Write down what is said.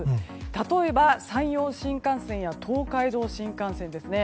例えば、山陽新幹線や東海道新幹線ですね。